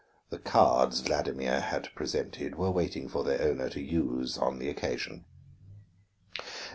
The cards Vladimir had presented were waiting for their owner to use on the occasion.